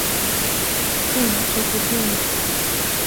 恨这部电影！